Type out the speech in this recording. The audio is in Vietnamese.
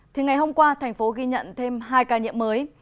thì ngày hôm qua thành phố ghi nhận thêm hai ca nhiễm mới